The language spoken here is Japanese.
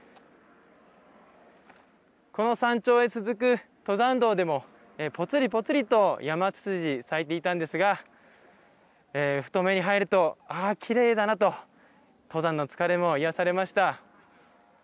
この山頂へ続く登山道でも、ぽつりぽつりとヤマツツジ、咲いていたんですがふと目に入るとああ、きれいだなと登山の疲れも癒やされました。